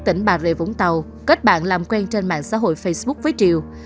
tỉnh bà rịa vũng tàu kết bạn làm quen trên mạng xã hội facebook với triều